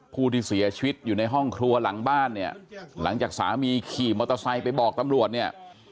ผู้ที่เสียชีวิตอยู่ในห้องครัวหลังบ้านเนี่ยหลังจากสามีขี่มอเตอร์ไซค์ไปบอกตำรวจเนี่ย